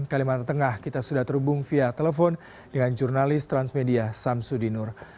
kalimantan tengah kita sudah terhubung via telepon dengan jurnalis transmedia samsudinur